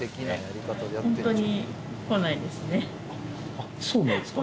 あっそうなんですか？